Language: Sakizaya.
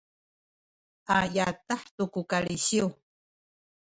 a yadah tu ku kalisiw